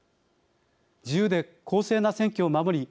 自由で公正な選挙を守り